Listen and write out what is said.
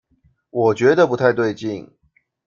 我覺得不太對勁